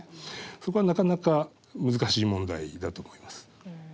そこはなかなか難しい問題だと思います。